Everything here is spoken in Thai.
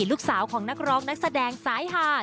ลูกสาวของนักร้องนักแสดงสายหา